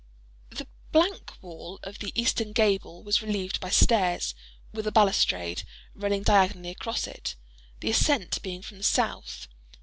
The blank wall of the eastern gable was relieved by stairs (with a balustrade) running diagonally across it—the ascent being from the south.